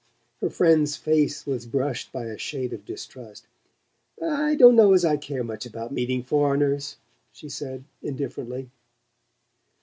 Her friend's face was brushed by a shade of distrust. "I don't know as I care much about meeting foreigners," she said indifferently.